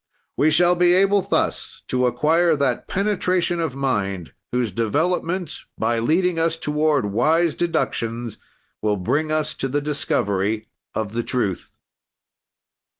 "We shall be able thus to acquire that penetration of mind whose development, by leading us toward wise deductions, will bring us to the discovery of the truth."